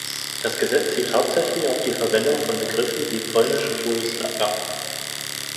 Das Gesetz zielt hauptsächlich auf die Verwendung von Begriffen wie „polnische Todeslager“.